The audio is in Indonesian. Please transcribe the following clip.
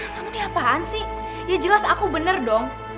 kamu ini apaan sih ya jelas aku bener dong